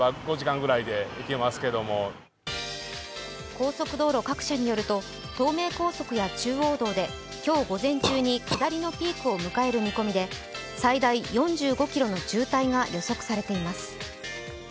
高速道路各社によると東名高速や中央道で今日午前中に下りのピークを迎える見込みで、最大４５ｋｍの渋滞が予測されています。